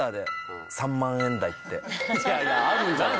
別にいやいやあるんじゃない？